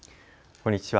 こんにちは。